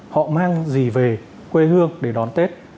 họ mang gì về quê hương để đón tết